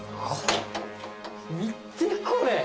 見てこれ。